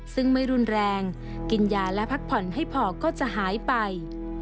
ซึ่งไม่รุนแรงกินยาและพักผ่อนให้พอก็จะหายไป